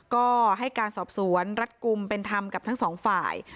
ก็ให้การสอบสวนรัดกลุ่มเป็นธรรมกับทั้งสองฝ่าย